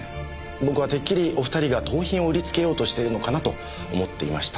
僕はてっきりお２人が盗品を売りつけようとしてるのかなと思っていました。